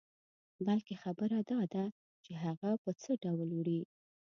بلکې خبره داده چې هغه په څه ډول وړې.